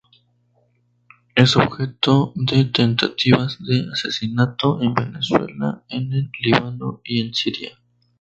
Es objeto de tentativas de asesinato en Venezuela, en el Líbano y en Siria.